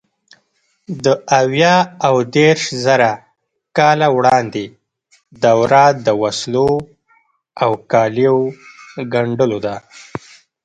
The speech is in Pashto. د اویا او دېرشزره کاله وړاندې دوره د وسلو او کالیو ګنډلو ده.